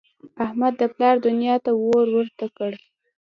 احمد د پلار دونیا ته اور ورته کړ.